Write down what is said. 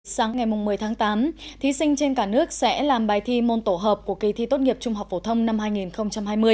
sáng ngày một mươi tháng tám thí sinh trên cả nước sẽ làm bài thi môn tổ hợp của kỳ thi tốt nghiệp trung học phổ thông năm hai nghìn hai mươi